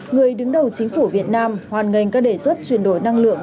người đứng đầu chính phủ việt nam hoàn ngành các đề xuất chuyển đổi năng lượng